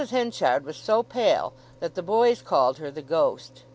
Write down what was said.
Henchard was so pale that the boys called her "The Ghost."